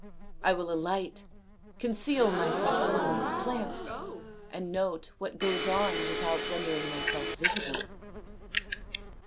I will alight, conceal myself among these plants, and note what goes on without rendering myself visible."